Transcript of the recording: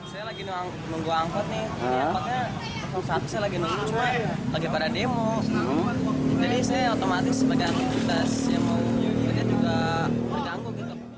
teman teman sebagai anggota smau juga terganggu